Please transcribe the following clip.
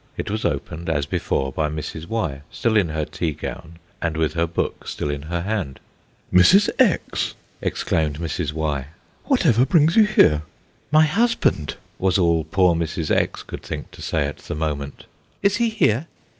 It was opened as before by Mrs. Y., still in her tea gown, and with her book still in her hand. "Mrs. X.!" exclaimed Mrs. Y. "Whatever brings you here?" "My husband!" was all poor Mrs. X. could think to say at the moment, "is he here?"